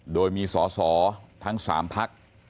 โดยมีสอสอทั้ง๓พัก